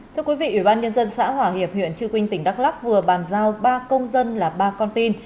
thưa quý vị ủy ban nhân dân xã hòa hiệp huyện trư quynh tỉnh đắk lắc vừa bàn giao ba công dân là ba con tin